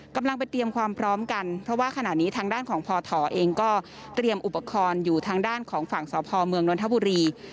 กำลังไปเตรียมความพร้อมกันเพราะว่าขณะนี้ทางด้านของพอถอเองก็เตรียมอุปกรณ์อยู่ทางด้านของฝั่งสพเมืองนทบุรี